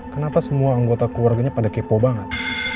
kenapa semua anggota keluarganya pada kepo banget